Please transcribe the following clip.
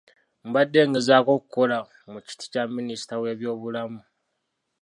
Mbadde ngezaako kukola mu kiti kya Minisita w’ebyobulamu.